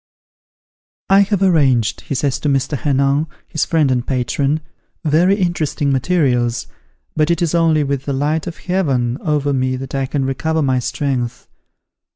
"I have arranged," he says to Mr. Henin, his friend and patron, "very interesting materials, but it is only with the light of Heaven over me that I can recover my strength.